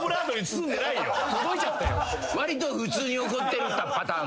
わりと普通に怒ってたパターン。